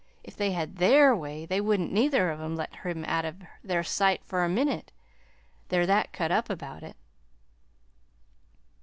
If they had THEIR way, there wouldn't neither of, em let him out o' their sight fur a minute, they're that cut up about it."